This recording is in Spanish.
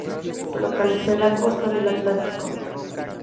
Se localiza en la costa del Atlántico.